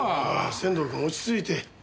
仙堂君落ち着いて。